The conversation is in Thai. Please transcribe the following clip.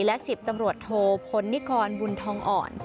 และ๑๐ตำรวจโทพลนิกรบุญทองอ่อน